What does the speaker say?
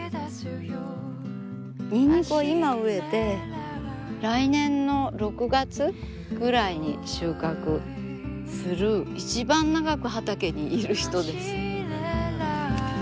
にんにくは今植えて来年の６月ぐらいに収穫する一番長く畑にいるひとです。